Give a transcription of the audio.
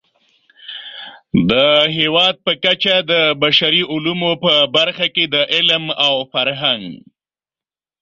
د هېواد په کچه د بشري علومو په برخه کې د علم او فرهنګ